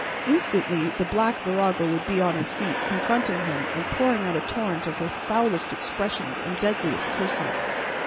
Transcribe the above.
Instantly the black virago would be on her feet confronting him and pouring out a torrent of her foulest expressions and deadliest curses.